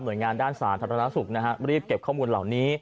หน่วยงานด้านศาลธนาศุกร์นะครับรีบเก็บข้อมูลเหล่านี้